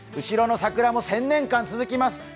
後ろの桜も１０００年間続きます。